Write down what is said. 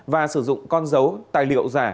và sử dụng con dấu tài liệu giả